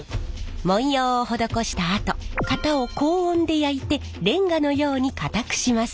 文様を施したあと型を高温で焼いてレンガのように固くします。